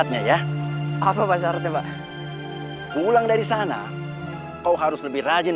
tapi aku masih takut ada tulisan yang